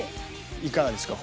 いかがですか？